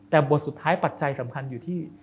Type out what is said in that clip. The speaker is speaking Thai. แต่บทสุดท้ายปัจจัยสำคัญอยู่ที่